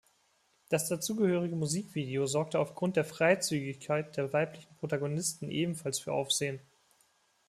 Das dazugehörige Musikvideo sorgte aufgrund der Freizügigkeit der weiblichen Protagonisten ebenfalls für Aufsehen.